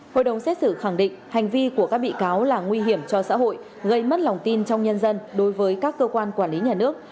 hội đồng xét xử khẳng định hành vi của các bị cáo là nguy hiểm cho xã hội gây mất lòng tin trong nhân dân đối với các cơ quan quản lý nhà nước